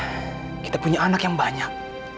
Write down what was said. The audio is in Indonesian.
karena kita punya anak yang banyak